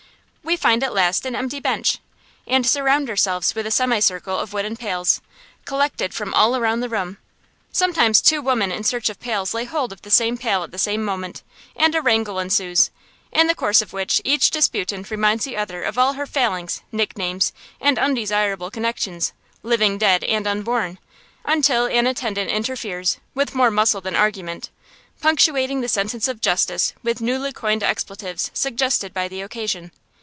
We find at last an empty bench, and surround ourselves with a semicircle of wooden pails, collected from all around the room. Sometimes two women in search of pails lay hold of the same pail at the same moment, and a wrangle ensues, in the course of which each disputant reminds the other of all her failings, nicknames, and undesirable connections, living, dead, and unborn; until an attendant interferes, with more muscle than argument, punctuating the sentence of justice with newly coined expletives suggested by the occasion.